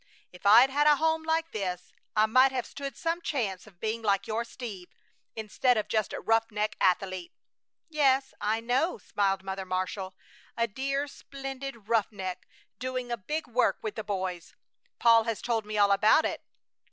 If I'd had a home like this I might have stood some chance of being like your Steve, instead of just a roughneck athlete." "Yes, I know," smiled Mother Marshall. "A dear, splendid roughneck, doing a big work with the boys! Paul has told me all about it.